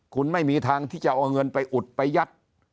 คุณไม่มีทางที่จะเอาเงินไปอุดไปยัด